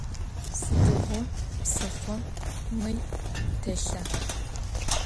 Sıdiğo psıxhom mıl têlha?